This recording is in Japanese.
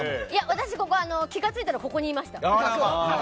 私、ここ気が付いたらここにいました。